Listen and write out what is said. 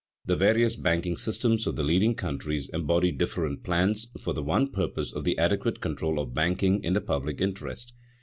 The various banking systems of the leading countries embody different plans for the one purpose of the adequate control of banking in the public interest.